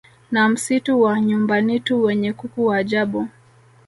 na Msitu wa Nyumbanitu wenye kuku wa ajabu